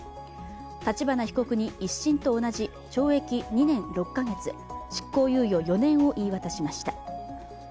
立花被告に１審と同じ懲役２年６か月執行猶予４年を言い渡しました。